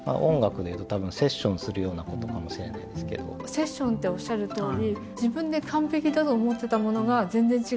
セッションっておっしゃるとおり